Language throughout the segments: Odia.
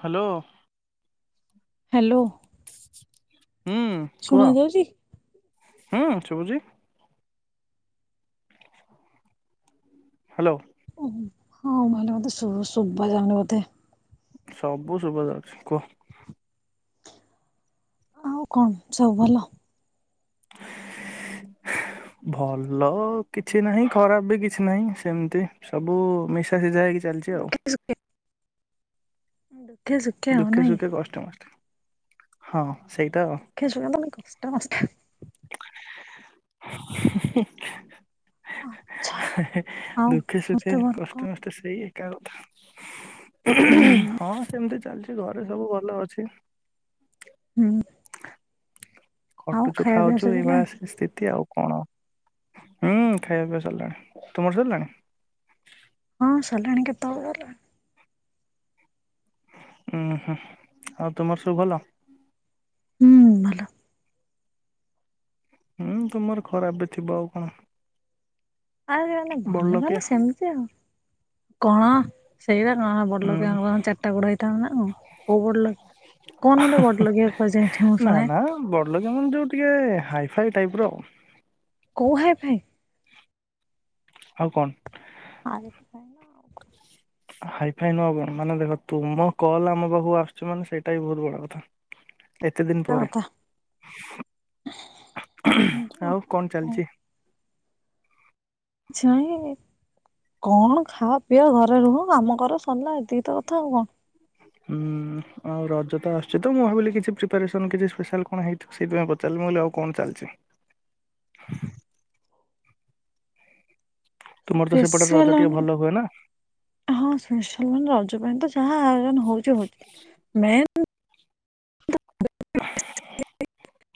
ହ୍ୟାଲୋ। ହ୍ୟାଲୋ। ହୁଁ। ଶୁଣା ଯାଉଛି। ହଁ ଶୁଭୁଛି। ହ୍ୟାଲୋ। ହଉ [unintelligible] ହଲେ ମୋତେ ଶ-ଶୁଭ ଜାଉନି ବୋଧେ। ସବୁ ଶୁଭା ଯାଉଛି କୁହ। ଆଉ କଣ ସବୁ ଭଲ? ଭଲ କିଛି ନାହିଁ ଖରାପ ବି କିଛି ନାହିଁ ସେମିତି। ସବୁ ମିଶା ସିଜା ହେଇକି ଚାଲିଛି। ଆଉ। ଦୁଃଖେ ସୁଖେ ଦୁଃଖ ଶୁ ଦୁଃଖେ ସୁଖେ କଷ୍ଟେ ମଷ୍ଟେ ହଁ ସେଇଟା ଆଉ ଦୁଃଖେ ସୁଖେ ନାତ କଷ୍ଟେ ମଷ୍ଟେ ଆଚ୍ଛା ହେ ହେ ଆଉ ଦୁଃଖେ ସମସ୍ତେ ସୁଖେ ଭଲ କଣ କଷ୍ଟେ ମଷ୍ଟେ ସେଇ ଏକା କଥା। ହୁଁ। ହଁ ସେମିତି ଚାଲିଛି ଘରେ ସବୁ ଭଲ ଅଛି। ହୁଁ। ଆଉ ଖଟୁଛୁ ଖାଇବା ପିଇବା ଖାଉଛୁ ଏଇଭଳିଆ ସରିଲାଣି? ସେ ସ୍ଥିତି ଆଉ। କଣ ହୁଁ ଖାଇବା ପିଇବା ସରିଲାଣି। ତୁମର ସରିଲାଣି? ହଁ ସରିଲାଣି କେତେବେଳୁ ଗଲା ଉୁଁ ହୁଁ ଆଉ ତୁମର ସବୁ ଭଲ? ହୁଁ ଭଲ। ହୁଁ ତୁମର ଖରାପ ଥିବ ଆଉ କଣ? ଆ ମାନେ ଭଲ ମାନେ ସେମିତି ଆଉ। କଣ ସେଇଟା କଣ ହୁଁ। ବଡଲୋକିଆ କଣ ଚାରିଟା ଗୁଡ ହେଇଥାନ୍ ନା କୋଉ ବଡ ଲୋକ କନ ବଡଲୋକିଆ କୁହା ଯାଏ ଏଠି ମୁଁ ଶୁଣେ ବଡଲୋକିଆ ମାନେ ଯୁ ଟିକେ ହାଇଫାଇ ଟାଇପ୍ ର କୋଉ ହାଇ ଫାଇ? ଆଉ କଣ? [unintelligible] ହାଇ ଫାଇ ନୁହଁ ଆଉ କଣ ମାନେ ଦେଖ ତୁମ କଲ ଆମ ପଖକୁ ଆସୁଛୁ ମାନେ ସେଇଟା ବି ବହୁତ ବଡ କଥା। ଏତେ ଦିନି କୋଉ ପରେ କଥା ଆଉ କଣ ଚାଲିଛି କିଛି ଛାଇଁ କଣ ଖାଓ ପିଅ ଘରେ ରୁହ କାମ କର ସରିଲା ତ ଏତିକି କଥା ଆଉ କଣ? ହୁଁ ଆଉ ରଜ ତ ଆସୁଛି ତ ମୁଁ ଭାବିଲି କିଛି ପ୍ରିପାରେସନ୍ କିଛି ସ୍ପେଶାଲ କଣ ହେଇଥିବ? ସେଇଥିାଇଁ ପଚାରିଲି ଆଉ କଣ ଚାଲିଛି? [unintelligible] ତୁମର ତ ସେପଟରେ ରଜ ସ୍ପେସିଆଲ ଟିକେ ମାନେ ଭଲ ହୁଏ ନା। ହଁ ସୁଶଲ ମାନ ରଜ ପାଇଁ ତ ଯାହା ଆୟୋଜନ ହଉଛି ହଉଛି ମେନ୍ [unintelligible]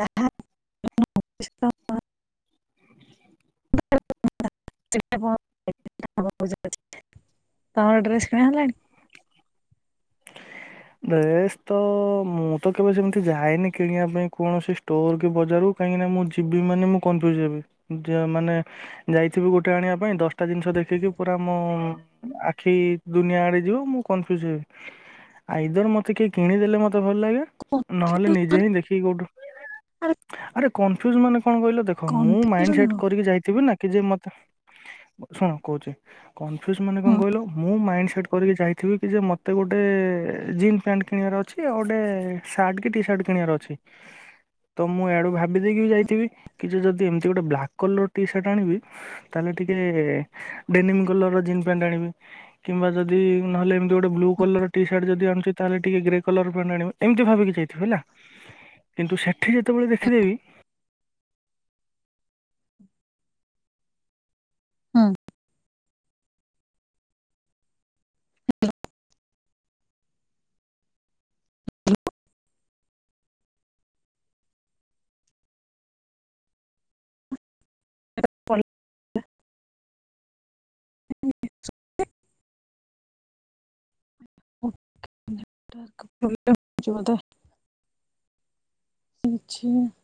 ତାହା [unintelligible] ହ [unintelligible] [unintelligible] ତମର ଡ୍ରେସ୍ କିଣା ହେଲାଣି? ଡ୍ରେସ୍ ତ ମୁଁ ତ କେବେ ସେମିତି ଯାଏନି କିଣିବା ପାଇଁ କୌଣସି ଷ୍ଟୋର କି ବଜାରରୁ କାହିଁକି ନା ମୁଁ ଯିବି ମାନେ ମୁଁ କନଫ୍ୟୁଜ ହେବି ଯା ମାନେ ଯାଇଥିବୁ ଗୋଟେ ଆଣିବା ପାଇଁ ଦଶଟା ଜିନିଷ ଦେଖିକି ପୁରା ମୁଁ ଆଖି ଦୁନିଆ ଆଡେ ଯିବ ମୁଁ କନଫ୍ୟୁଜ ହେବି। ଆଇଦର ମତେ କିଏ କିଣିଦେଲେ ମତେ ଭଲ ଲାଗେ ନହେଲେ ନିଜେ ହିଁ ଦେଖିକି କୋଉଠୁ ଆରେ ଆରେ କନଫ୍ୟୁଜ ମାନେ କଣ କହିଲ ଦେଖ ମୁଁ ମାଇଣ୍ଡ କନଫ୍ୟୁଜନ ସେଟ୍ ହଁ କରିକି ଯାଇଥିବି ନା କି ଯେ ମତେ ଶୁଣ କହୁଛି କନଫ୍ୟୁଜ ମାନେ କଣ କହିଲ ମୁଁ ମାଇଣ୍ଡି ସେଟ୍ କରିକି ଯାଇଥିବି କି ଯେ ମତେ ଗୋଟେ ଜିନ୍ ପ୍ୟାଣ୍ଟ କିଣିବାର ଅଛି ଆଉ ଗୋଟେ ସାର୍ଟ କି ଟି ସାର୍ଟ କିଣିବାର ଅଛି ତ ମୁଁ ଇଆଡୁ ଭାବିଦେଇକି ବି ଯାଇଥିବି କି ଯ ଯଦି ଏମିତି ଗୋଟେ ବ୍ଲାକ୍ କଲର ଟି ସାର୍ଟ ଆଣିବି ତାହେଲେ ଟିକେ ଡେନିନି କଲର ର ଜିନ୍ ପ୍ୟାଣ୍ଟ ଆଣିବି। କିମ୍ବା ଯଦି ନହେଲେ ଏମତି ଗୋଟେ ବ୍ଲୁ କଲର ଟି ସାର୍ଟ ଯଦି ଆଣି ତାହେଲେ ଟିକେ ଗ୍ରେ କଲର ଆଣିବ ଏମିତି ଭାବିକି ଯାଇଥିବ ହେଲା କିନ୍ତୁ ସେଠି ଯେତୋବୋଳେ ଦେଖିଦେବି। [inaudible] ହୁଁ। [unintelligible] [unintelligible] [unintelligible] [unintelligible]